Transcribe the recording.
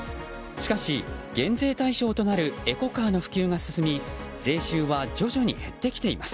しかし、減税対象となるエコカーの普及が進み税収は徐々に減ってきています。